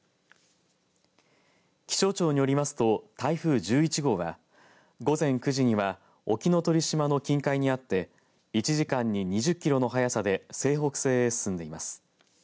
気象庁によりますと台風１１号は午前９時には沖ノ鳥島の近海にあって１時間に２０キロの速さで西北西へ進んでいます。